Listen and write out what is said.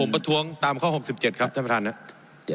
ประท้วงตามข้อ๖๗ครับท่านประธานครับ